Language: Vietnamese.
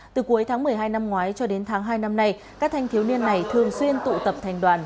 từ cuối tháng một mươi hai năm ngoái cho đến tháng hai năm nay các thanh thiếu niên này thường xuyên tụ tập thành đoàn